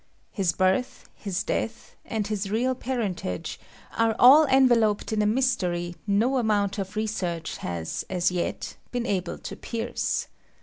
His birth, his death, and his real parentage, are all enveloped in a mystery no amount of research has, as yet, been able to pierce.